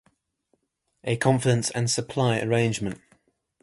A confidence and supply arrangement.